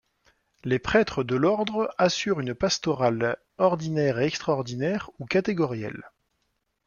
Les prêtres de l'Ordre assurent une pastorale ordinaire et extraordinaire ou catégorielle.